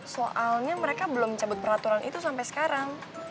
soalnya mereka belum cabut peraturan itu sampai sekarang